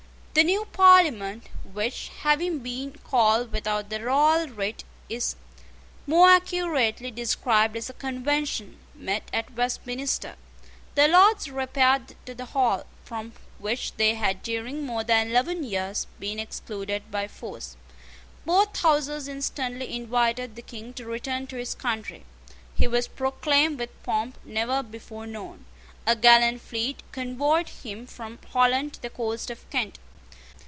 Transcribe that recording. The new Parliament, which, having been called without the royal writ, is more accurately described as a Convention, met at Westminster. The Lords repaired to the hall, from which they had, during more than eleven years, been excluded by force. Both Houses instantly invited the King to return to his country. He was proclaimed with pomp never before known. A gallant fleet convoyed him from Holland to the coast of Kent.